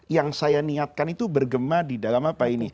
yang saya niatkan itu bergema di dalam apa ini